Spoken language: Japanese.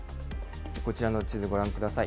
こちらの地図ご覧ください。